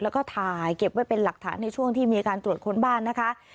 แล้วก็ถ่ายเก็บไว้เป็นหลักฐานในช่วงที่มีการตรวจค้นบ้านนะคะ